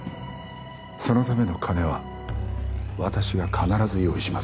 そのための金は私が必ず用意します